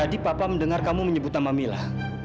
tadi papa mendengar kamu menyebut nama mila